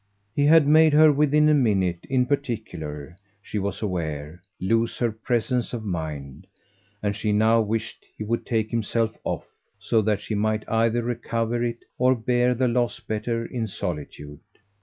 He had made her within a minute, in particular, she was aware, lose her presence of mind, and she now wished he would take himself off, so that she might either recover it or bear the loss better in solitude.